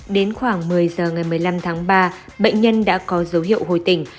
đến khoảng một mươi giờ ngày một mươi năm tháng ba bệnh nhân đã có dấu hiệu hồi tình